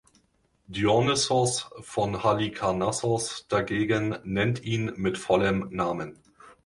Dionysios von Halikarnassos dagegen nennt ihn mit vollem Namen.